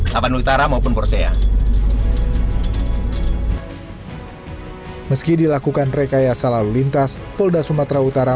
tapanuli utara maupun porsche ya meski dilakukan rekayasa lalu lintas for the sumatra utara